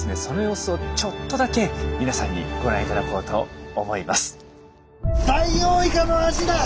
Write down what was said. その様子をちょっとだけ皆さんにご覧いただこうと思います。